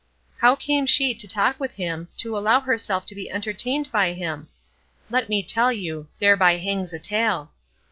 How came she to talk with him, to allow herself to be entertained by him? Let me tell you: thereby hangs a tale.